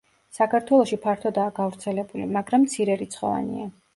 საქართველოში ფართოდაა გავრცელებული, მაგრამ მცირერიცხოვანია.